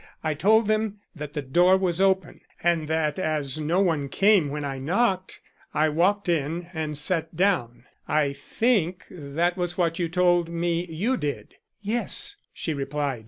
I told them that the door was open, and that as no one came when I knocked I walked in and sat down. I think that was what you told me you did." "Yes," she replied.